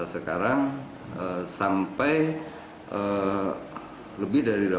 sekarang sampai lebih dari delapan ratus